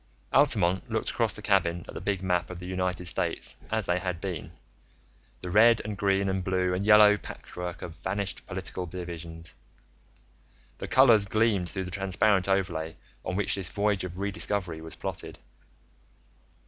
Altamont looked across the cabin at the big map of the United States as they had been, the red and green and blue and yellow patchwork of vanished political divisions. The colors gleamed through the transparent overlay on which this voyage of re discovery was plotted.